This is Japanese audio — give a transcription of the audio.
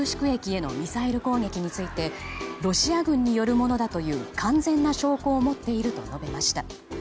駅へのミサイル攻撃についてロシア軍によるものだという完全な証拠を持っていると述べました。